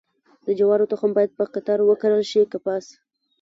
د جوارو تخم باید په قطار وکرل شي که پاش؟